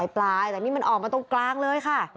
ปลายแต่นี่มันออกมาตรงกลางเลยค่ะ